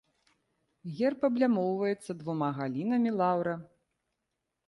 Герб аблямоўваецца двума галінамі лаўра.